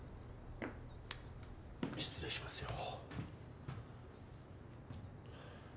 失礼しますよ。